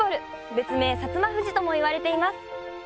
べつめい「摩富士」ともいわれています。